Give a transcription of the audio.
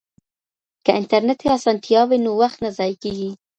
که انټرنیټي اسانتیا وي نو وخت نه ضایع کیږي.